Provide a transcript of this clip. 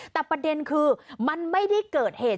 แต่ประเด็นคือมันไม่ได้เกิดเหตุ